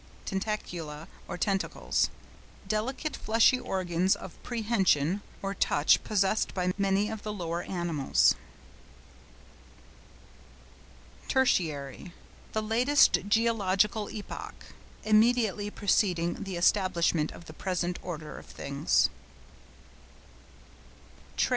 TENTACULA or TENTACLES.—Delicate fleshy organs of prehension or touch possessed by many of the lower animals. TERTIARY.—The latest geological epoch, immediately preceding the establishment of the present order of things.